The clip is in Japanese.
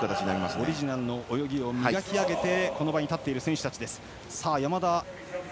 オリジナルの泳ぎを磨き上げてこの場に立っている選手たち。